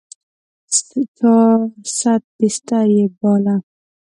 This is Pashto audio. چارصد بستر يې باله.